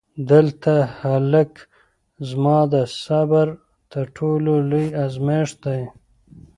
دغه هلک زما د صبر تر ټولو لوی ازمېښت دی.